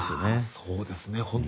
そうですね。